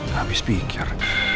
gak habis pikir